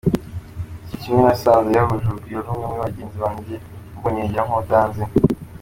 Igihe kimwe nasanze yahuje urugwiro n’ umwe muri bagenzi banjye ambonye yigira nk’ utanzi.